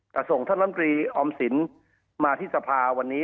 แต่ส่งท่านรัมนิสต์ออมสินมาที่สภาวันนี้